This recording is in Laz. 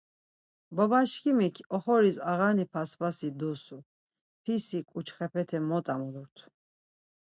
Babaşǩimik oxoris ağani paspasi dusu, pisi ǩuçxepete mot amulurt.